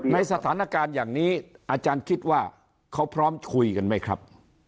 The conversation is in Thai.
ในสถานการณ์อย่างนี้อาจารย์คิดว่าเขาพร้อมคุยกันไหมครับ